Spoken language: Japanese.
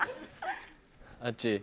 あっち？